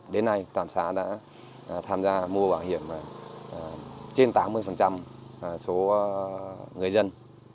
đến nay toàn xã đã tham gia mua bảo hiểm trên tám mươi số người dân